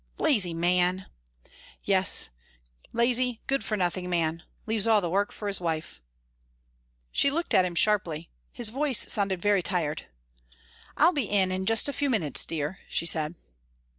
"Lazy man!" "Yes lazy good for nothing man leaves all the work for his wife." She looked at him sharply. His voice sounded very tired. "I'll be in in just a few minutes, dear," she said.